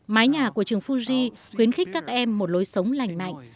mái nhà của trường fuji khuyến khích các em một lối sống lành mạnh